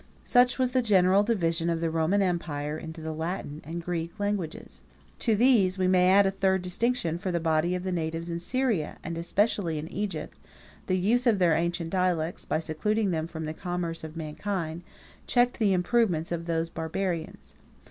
Such was the general division of the Roman empire into the Latin and Greek languages. To these we may add a third distinction for the body of the natives in Syria, and especially in Egypt, the use of their ancient dialects, by secluding them from the commerce of mankind, checked the improvements of those barbarians.